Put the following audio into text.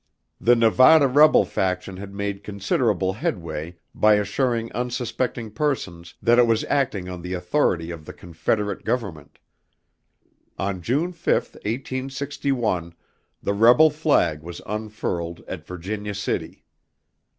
The Nevada rebel faction had made considerable headway by assuring unsuspecting persons that it was acting on the authority of the Confederate Government. On June 5, 1861, the rebel flag was unfurled at Virginia City.